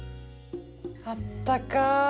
あったかい。